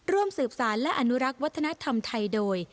ร่วมสืบสารและอนุรักษ์วัฒนธรรมไทยโดย